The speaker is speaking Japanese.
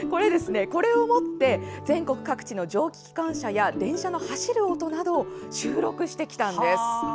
これを持って全国各地の蒸気機関車や電車の走る音などを収録してきたのです。